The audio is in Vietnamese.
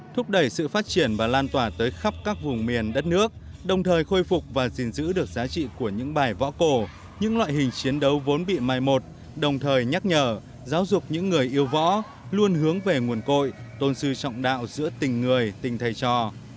thúc đẩy sự phát triển và lan tỏa tới khắp các vùng miền đất nước đồng thời khôi phục và giữ được giá trị của những bài võ cổ những loại hình chiến đấu vốn bị mai một đồng thời nhắc nhở giáo dục những người yêu võ luôn hướng về nguồn cội tôn sư trọng đạo giữa tình người tình thầy trò